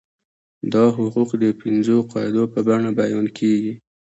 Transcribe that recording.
دا حقوق د پنځو قاعدو په بڼه بیان کیږي.